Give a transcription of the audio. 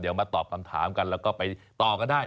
เดี๋ยวมาตอบคำถามกันแล้วก็ไปต่อกันได้